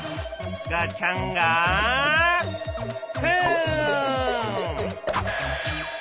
ガチャンガフン！